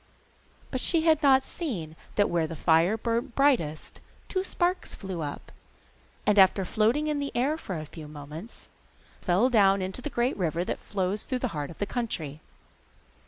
But she had not seen that where the fire burnt brightest two sparks flew up, and, after floating in the air for a few moments, fell down into the great river that flows through the heart of the country.